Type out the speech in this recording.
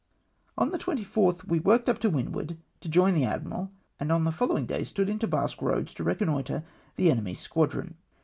On the 24th we worked up to windward to join the admiral, and on the following day stood into Basque Eoads to reconnoitre the enemy's squadron.